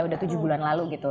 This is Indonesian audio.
udah tujuh bulan lalu gitu